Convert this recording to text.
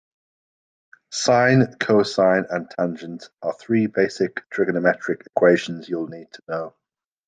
Sine, cosine and tangent are three basic trigonometric equations you'll need to know.